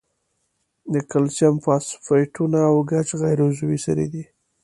د کلسیم فاسفیټونه او ګچ غیر عضوي سرې دي.